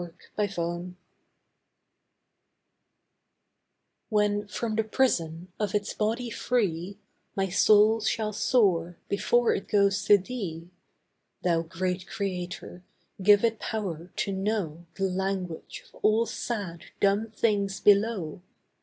INTERMEDIARY When from the prison of its body free, My soul shall soar, before it goes to Thee, Thou great Creator, give it power to know The language of all sad, dumb things below.